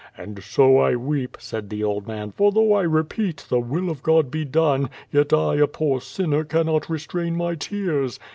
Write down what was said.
*And so I weep,* said the old man, ^for though I repeat 'the will of Ood be done,' yet I, a poor sinner, cannot restrain my tears.'